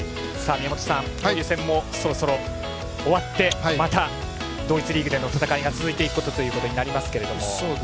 宮本さん、交流戦もそろそろ終わってまた同一リーグでの戦いが続いていくということになります。